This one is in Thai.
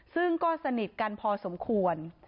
ซึ่งก็สนิทกันพอสมควร